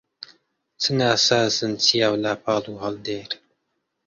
چ ناسازن چیا و لاپاڵ و هەڵدێر